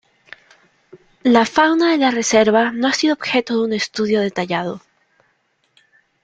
La fauna de la reserva no ha sido objeto de un estudio detallado.